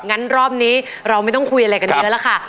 งั้นรอบนี้เราไม่ต้องคุยอะไรกันเยอะแล้วล่ะค่ะ